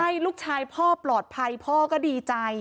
ใช่ลูกชายพ่อปลอดภัยพ่อก็ดีใจ